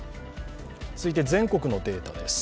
続いて全国のデータです。